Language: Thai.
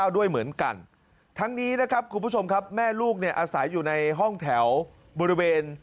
ด้วยเหมือนกันทั้งนี้นะครับคุณผู้ชมครับแม่ลูกเนี่ยอาศัยอยู่ในห้องแถวบริเวณ